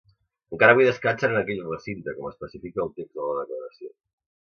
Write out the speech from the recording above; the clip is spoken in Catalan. Encara avui descansen en aquell recinte, com especifica el text de la declaració.